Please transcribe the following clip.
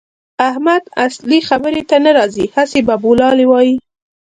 احمد اصلي خبرې ته نه راځي؛ هسې بابولالې وايي.